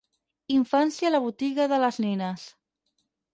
Infància a la botiga de les nines.